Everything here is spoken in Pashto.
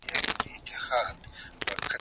کتاب لوستل د انسان شعور لوړوي.